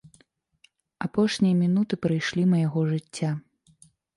Апошнія мінуты прыйшлі майго жыцця.